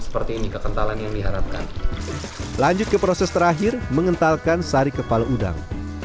seperti ini kekentalan yang diharapkan lanjut ke proses terakhir mengentalkan sari kepala udang